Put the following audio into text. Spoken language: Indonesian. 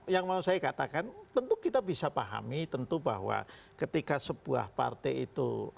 yang mau saya katakan tentu kita bisa pahami tentu bahwa ketika sebuah partai itu